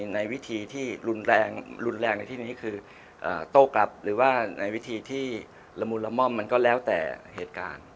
ในวิธีที่รุนแรงรุนแรงในที่นี้คือโต้กลับหรือว่าในวิธีที่ละมุนละม่อมมันก็แล้วแต่เหตุการณ์